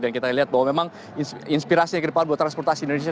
dan kita lihat bahwa memang inspirasi yang kerepatan untuk transportasi indonesia